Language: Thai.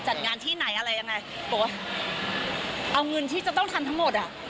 จัดงานที่ไหนอะไรยังไงบอกว่าเอาเงินที่จะต้องทำทั้งหมดอ่ะ